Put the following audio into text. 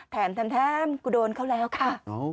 แถมกูโดนเขาแล้วค่ะ